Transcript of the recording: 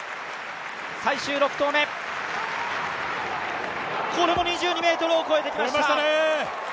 最終６投目、これも２２ｍを越えてきました。